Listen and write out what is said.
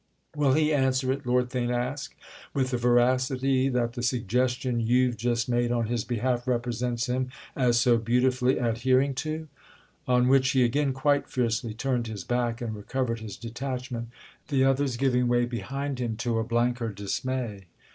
"Will he answer it," Lord Theign asked, "with the veracity that the suggestion you've just made on his behalf represents him as so beautifully adhering to?" On which he again quite fiercely turned his back and recovered his detachment, the others giving way behind him to a blanker dismay.